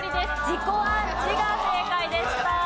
自己暗示が正解でした。